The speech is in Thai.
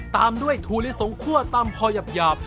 ตามด้วยถูดลิ้นสองคว่อตามพอหยาบ